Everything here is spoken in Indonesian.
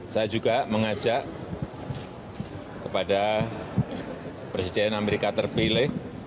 saya juga mengajak kepada presiden amerika terpilih